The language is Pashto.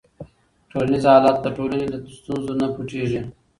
ټولنیز حالت د ټولنې له ستونزو نه پټيږي.